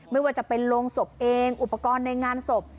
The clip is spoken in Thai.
ไม่ว่าจะเป็นโรงศพเองอุปกรณ์ในงานศพ